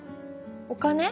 お金？